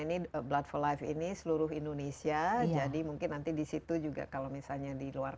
ini blood for life ini seluruh indonesia jadi mungkin nanti disitu juga kalau misalnya di luar